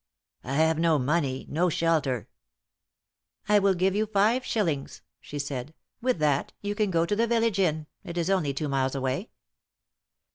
"I have no money no shelter." "I will give you five shillings," she said. "With that you can go to the village inn it is only two miles away."